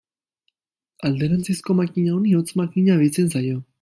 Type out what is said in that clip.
Alderantzizko makina honi hotz-makina deitzen zaio.